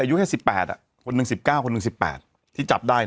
อายุแค่สิบแปดอ่ะคนหนึ่งสิบเก้าคนหนึ่งสิบแปดที่จับได้